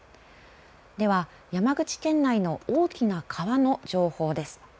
では山口県内の大きな川の情報です。